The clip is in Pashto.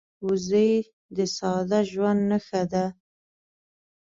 وزې د ساده ژوند نښه ده